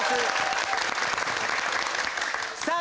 さあ